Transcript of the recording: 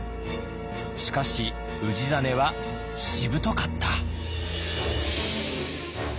しかし氏真はしぶとかった。